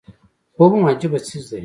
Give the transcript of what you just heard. خوب هم عجيبه څيز دی